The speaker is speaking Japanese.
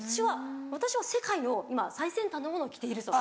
私は世界の今最先端のものを着ているぞと。